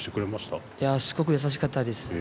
すごく優しかったです。